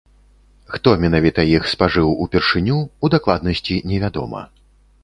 Хто менавіта іх спажыў упершыню, у дакладнасці невядома.